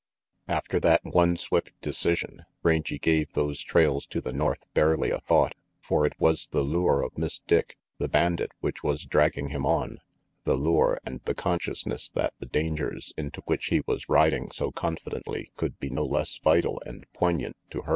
After that one swift decision, Rangy gave those trails to the north barely a thought; for it was the lure of Miss Dick, the bandit, which was dragging him on, the lure and the consciousness that the dangers into which he was riding so confidently could be no less vital and poignant to her.